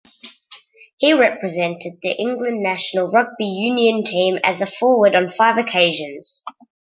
He represented the England national rugby union team as a forward on five occasions.